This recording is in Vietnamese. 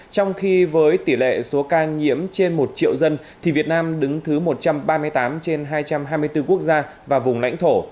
trong khi với tỷ lệ số ca nhiễm trên một triệu dân thì việt nam đứng thứ một trăm ba mươi tám trên hai trăm hai mươi bốn quốc gia và vùng lãnh thổ